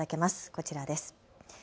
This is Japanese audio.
こちらです。